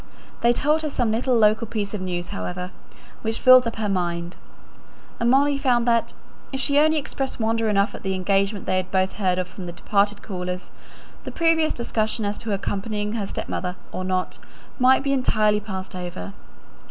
They told her some little local piece of news, however, which filled up her mind; and Molly found that, if she only expressed wonder enough at the engagement they had both heard of from the departed callers, the previous discussion as to her accompanying her stepmother or not might be entirely passed over.